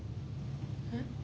えっ？